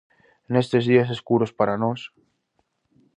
Nestes días escuros para nós...